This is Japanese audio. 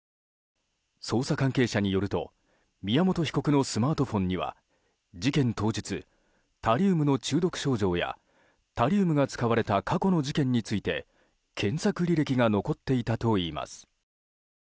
捜査関係者によると宮本被告のスマートフォンには事件当日、タリウムの中毒症状やタリウムが使われた過去の事件について検索履歴が残っていたといいます。